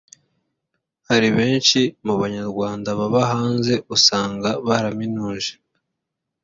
Hari benshi mu banyarwanda baba hanze usanga baraminuje